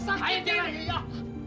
sebentar aja lepas